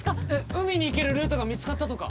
海に行けるルートが見つかったとか？